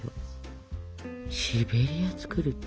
シベリア作るって。